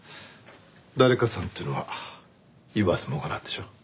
「誰かさん」ってのは言わずもがなでしょ？